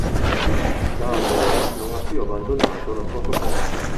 Da allora non ha più abbandonato la sua coperta.